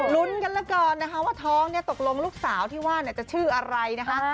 ลุ้นกันแล้วกันนะคะว่าท้องเนี่ยตกลงลูกสาวที่ว่าจะชื่ออะไรนะคะ